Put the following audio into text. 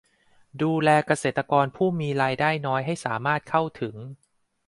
ดูแลเกษตรกรผู้มีรายได้น้อยให้สามารถเข้าถึง